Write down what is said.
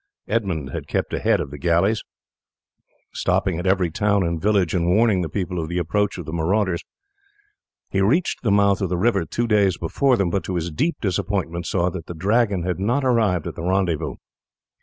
Edmund had kept ahead of the galleys, stopping at every town and village and warning the people of the approach of the marauders. He reached the mouth of the river two days before them, but to his deep disappointment saw that the Dragon had not arrived at the rendezvous.